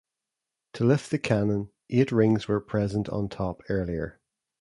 To lift the cannon eight rings were present on top earlier.